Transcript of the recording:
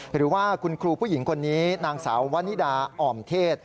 หรือว่าคุณครูผู้หญิงคนนี้นางสาววันนิดาอ่อมเทศ